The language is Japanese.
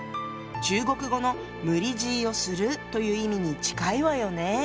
中国語の「無理強いをする」という意味に近いわよね。